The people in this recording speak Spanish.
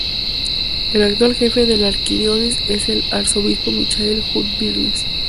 El actual jefe de la Arquidiócesis es el arzobispo Michael Jude Byrnes.